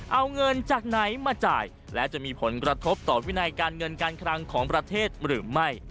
เอาเงินจากไหนมาจ่ายและจะมีผลกระทบต่อวินัยการเงินการคลังของประเทศหรือไม่